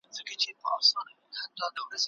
د نوي مهارت زده کول به ستاسو باور زیات کړي.